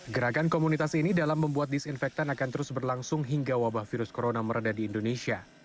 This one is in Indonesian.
gerakan komunitas ini dalam membuat disinfektan akan terus berlangsung hingga wabah virus corona meredah di indonesia